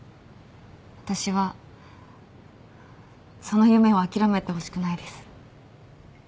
私はその夢を諦めてほしくないです